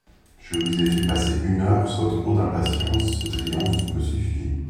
Je vous ai fait passer une heure sans trop d'impatience ; ce triomphe me suffit.